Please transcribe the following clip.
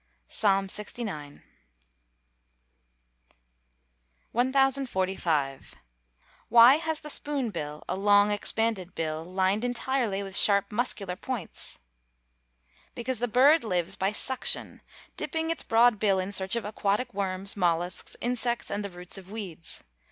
PSALM LXIX.] 1045. Why has the spoon bill a long expanded bill, lined internally with sharp muscular points? Because the bird lives by suction, dipping its broad bill in search of aquatic worms, mollusks, insects and the roots of weeds.